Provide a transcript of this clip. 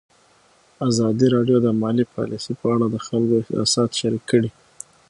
ازادي راډیو د مالي پالیسي په اړه د خلکو احساسات شریک کړي.